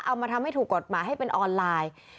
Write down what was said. เอามาทำให้ถูกกฎหมายให้เป็นออนไลน์